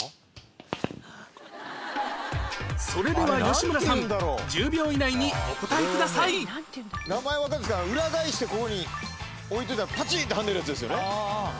それでは吉村さん１０秒以内にお答えください名前わかんないんですけど裏返してこういうふうに置いといたらパチンッて跳ねるやつですよね。